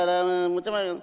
đông đến như thế